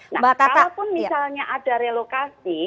nah kalaupun misalnya ada relokasi